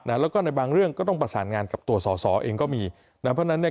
แล้วก็ในบางเรื่องก็ต้องประสานงานกับตัวสอสอเองก็มีนะเพราะฉะนั้นเนี่ย